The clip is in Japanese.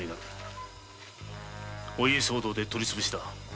お家騒動で取りつぶしだ。